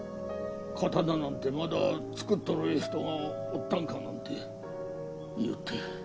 「刀なんてまだ作っとる人がおったんか」なんて言いよって。